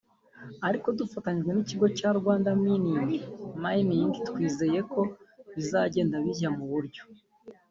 ariko dufatanyije n’Ikigo cya ‘Rwanda Mining’ twizeye ko bizagenda bijya mu buryo